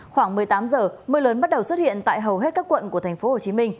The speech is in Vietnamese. khoảng một mươi tám giờ mưa lớn bắt đầu xuất hiện tại hầu hết các quận của tp hcm